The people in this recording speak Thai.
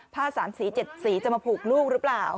ผ้าสามสี๗สีจะมาผูกลูกหรือเปล่า